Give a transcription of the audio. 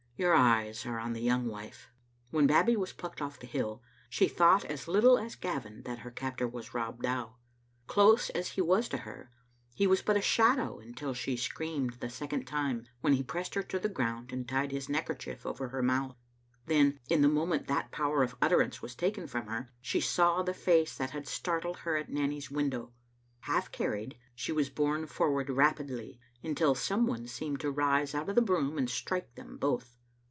Your eyes are on the young wife. When Babbie was plucked ofiE the hill, she thought as little as Gavin that her captor was Rob Dow. Close as he was to her, he was but a shadow until she screamed the second time, when he pressed her to the ground and tied his neckerchief over her mouth. Then, in the moment that power of utterance was taken from her, she saw the face that had startled her at Nanny's win dow. Half carried, she was borne forward rapidly, until some one seemed to rise out of the broom and strike them both.